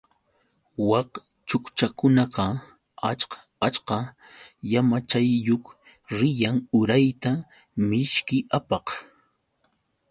Wak chutchakunaqa ach achka llamachayuq riyan urayta mishki apaq.